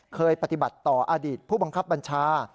เคยปฏิบัติต่ออดีตผู้บังคับบัญชา